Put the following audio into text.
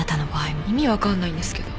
意味分かんないんですけど。